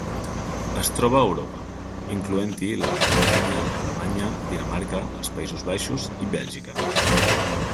Es troba a Europa, incloent-hi la Gran Bretanya, Alemanya, Dinamarca, els Països Baixos i Bèlgica.